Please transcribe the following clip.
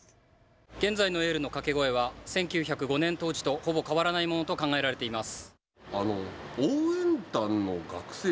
現在のエールの掛け声は１９０５年当時とほぼ変わらないものと考えられています。